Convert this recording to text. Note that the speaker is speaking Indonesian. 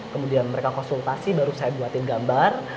kemudian mereka konsultasi baru saya buatin gambar